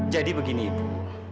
jadi begini ibu